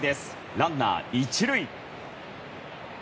ランナー１塁。